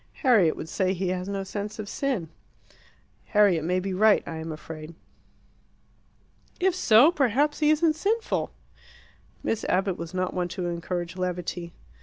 "Harriet would say he has no sense of sin." "Harriet may be right, I am afraid." "If so, perhaps he isn't sinful!" Miss Abbott was not one to encourage levity.